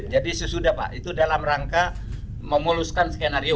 jadi sesudah pak itu dalam rangka memuluskan skenario